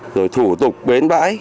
rồi thủ tục bến bãi